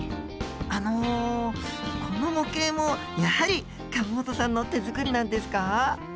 あのこの模型もやはり河本さんの手作りなんですか？